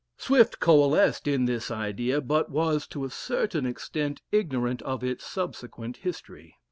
Swift coalesced in this idea, but was, to a certain extent, ignorant of its subsequent history.